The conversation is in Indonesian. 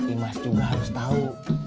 imas juga harus tau